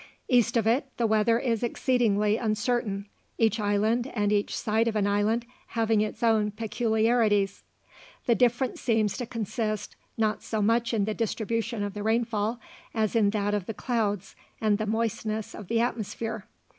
East of it the weather is exceedingly uncertain, each island, and each side of an island, having its own peculiarities. The difference seems to consist not so much in the distribution of the rainfall as in that of the clouds and the moistness of the atmosphere.